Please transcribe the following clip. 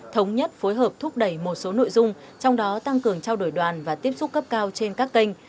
thống nhất phối hợp thúc đẩy một số nội dung trong đó tăng cường trao đổi đoàn và tiếp xúc cấp cao trên các kênh